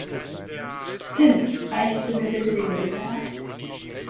Finn, reichst du mir bitte den Nudelsalat?